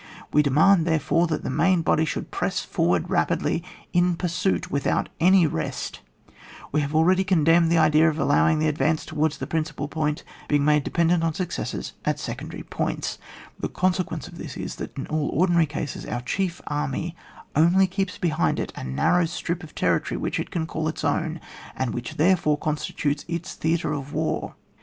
We demand, there fore, that the main body should press forward rapidly in pursuit without any rest; we have already condemned the idea of allowing the advance towards the principal point being made dependent on success at secondary points; the con sequence of this is, that in all ordinary cases, our chief army only keeps behind it a narrow strip of territory which it can call its own, and which therefore consti tutes its theatre of war.